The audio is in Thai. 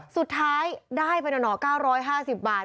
สุดท้ายได้ไปหน่อ๙๕๐บาท